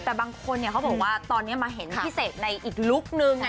แต่บางคนเขาบอกว่าตอนนี้มาเห็นพี่เสกในอีกลุคนึง